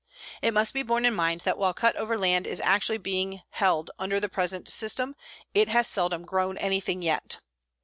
It must be borne in mind that while cut over land is actually being held under the present system, it has seldom grown anything yet.